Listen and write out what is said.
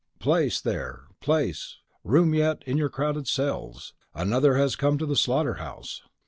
.... Place, there! place! Room yet in your crowded cells. Another has come to the slaughter house.